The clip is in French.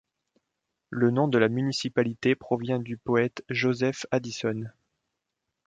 Le nom de la municipalité provient du poète Joseph Addison.